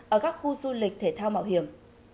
ở các khu du lịch thể thao mạo hiểm